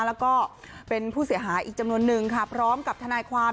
แล้วก็เป็นผู้เสียหายอีกจำนวนนึงค่ะพร้อมกับทนายความ